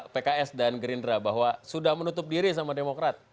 pks dan gerindra bahwa sudah menutup diri sama demokrat